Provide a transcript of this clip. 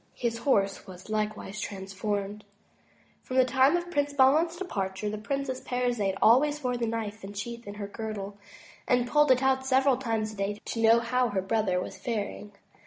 His horse waB likewise transformed . From the time of Prince Bahman's departure, the Princess Parizade always wore the knife and sheath in her girdle, and pulled it out several times a day to know how her brother was faring.